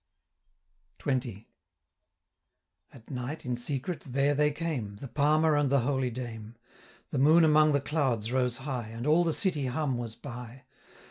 XX. At night, in secret, there they came, The Palmer and the holy dame. 550 The moon among the clouds rose high, And all the city hum was by.